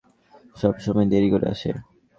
সবসময় দেরি করে আসে।